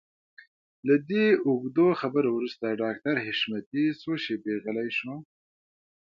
له دې اوږدو خبرو وروسته ډاکټر حشمتي څو شېبې غلی شو.